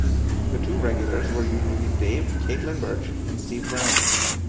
The two regulars were usually Dave Catlin-Birch and Steve Brown.